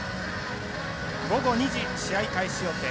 午後２時試合開始予定。